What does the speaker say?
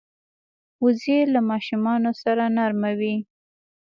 وزې له ماشومانو سره نرمه وي